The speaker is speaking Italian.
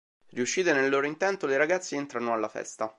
Riuscite nel loro intento, le ragazze entrano alla festa.